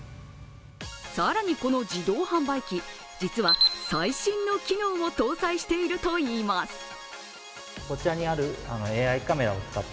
更にこの自動販売機、実は最新の機能を搭載しているといいます。